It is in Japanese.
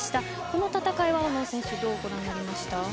この戦いは大野選手どうご覧になりました？